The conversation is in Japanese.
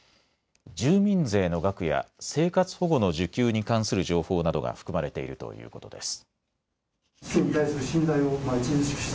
住民税の額や生活保護の受給に関する情報などが含まれているということです。